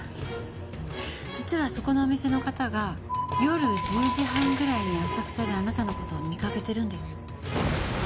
実はそこのお店の方が夜１０時半ぐらいに浅草であなたの事を見かけてるんです。